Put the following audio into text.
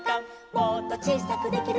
「もっとちいさくできるかな」